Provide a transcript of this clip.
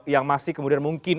yang masih kemudian mungkin